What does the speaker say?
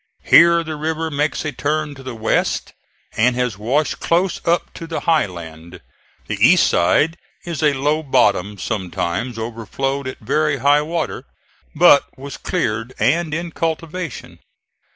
Here the river makes a turn to the west, and has washed close up to the high land; the east side is a low bottom, sometimes overflowed at very high water, but was cleared and in cultivation.